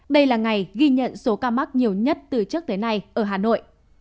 đây là ngày ghi nhận số ca mắc nhiều nhất từ trước tới nay ở hà nội